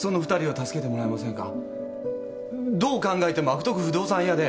どう考えても悪徳不動産屋で。